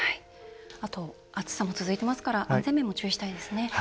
あと暑さも続いてますから安全面も注意したいですね。